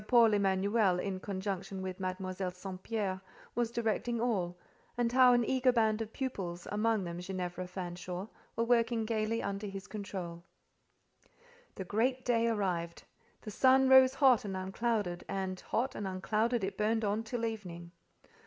Paul Emanuel, in conjunction with Mademoiselle St. Pierre, was directing all, and how an eager band of pupils, amongst them Ginevra Fanshawe, were working gaily under his control. The great day arrived. The sun rose hot and unclouded, and hot and unclouded it burned on till evening.